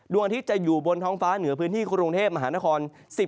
ดวงอาทิตย์จะอยู่บนท้องฟ้าเหนือพื้นที่กรุงเทพมหานคร